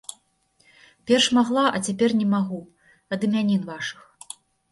Перш магла, а цяпер не магу, ад імянін вашых.